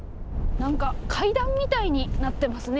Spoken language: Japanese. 何か階段みたいになってますね